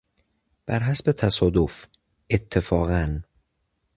برحسب تصادف، اتفاقا